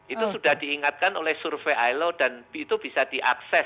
itu sudah diingatkan oleh survei ilo dan itu bisa diakses